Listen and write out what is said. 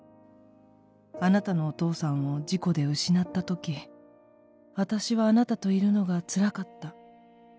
「あなたのお父さんを事故で失った時あたしはあなたといるのがつらかった。